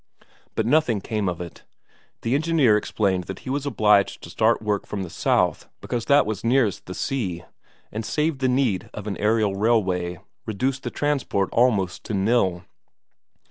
But nothing came of it; the engineer explained that he was obliged to start work from the south because that was nearest the sea, and saved the need of an aerial railway, reduced the transport almost to nil.